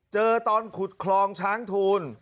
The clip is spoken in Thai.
เจอตอนขุดคลองช้างทูล